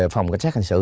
phòng cảnh sát hành sự